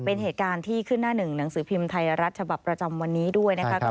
เป็นเหตุการณ์ที่ขึ้นหน้าหนึ่งหนังสือพิมพ์ไทยรัฐฉบับประจำวันนี้ด้วยนะคะ